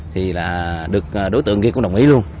thì là được đối tượng kia có đồng ý luôn